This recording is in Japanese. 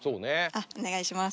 あっお願いします。